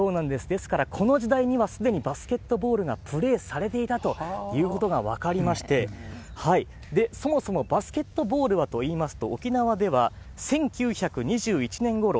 ですから、この時代にはすでにバスケットボールがプレーされていたということが分かりまして、そもそもバスケットボールはといいますと、沖縄では１９２１年ごろ、